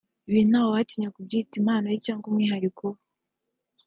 Ibi nta watinya kubyita impano ye cyangwa umwihariko we